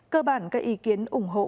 cơ bản các ý kiến ủng hộ